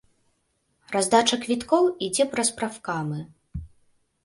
Раздача квіткоў ідзе праз прафкамы.